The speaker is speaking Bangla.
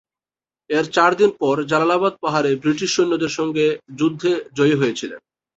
এর চারদিন পর জালালাবাদ পাহাড়ে ব্রিটিশ সৈন্যদের সঙ্গে যুদ্ধে জয়ী হয়েছিলেন।